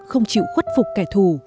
không chịu khuất phục kẻ thù